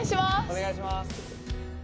お願いします。